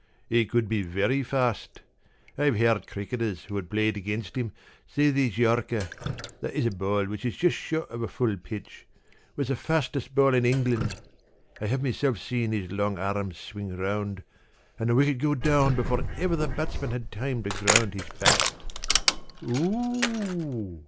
p> "He could be very fast. I have heard cricketers who had played against him say that his yorker that is a ball which is just short of a full pitch was the fastest ball in England. I have myself seen his long arm swing round and the wicket go down before ever the batsman had time to ground his bat." "Oo!"